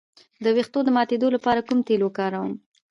د ویښتو د ماتیدو لپاره کوم تېل وکاروم؟